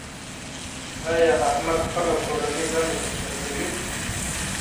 ایا احمد خپله کورنۍ دنده تر سره کوي؟